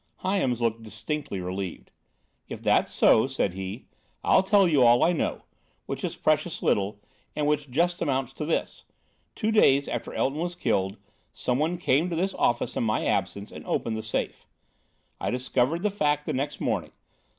Hyams looked distinctly relieved. "If that's so," said he, "I'll tell you all I know, which is precious little, and which just amounts to this: Two days after Elton was killed, someone came to this office in my absence and opened the safe. I discovered the fact the next morning.